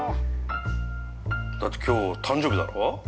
だって今日誕生日だろ？